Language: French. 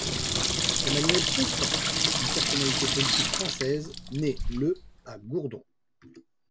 Emmanuel Constant est une personnalité politique française, né le à Gourdon.